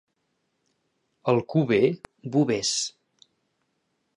A Alcover, bovers.